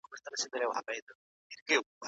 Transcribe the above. ولي پههرات کي د صنعت لپاره نوې لاري لټول کېږي؟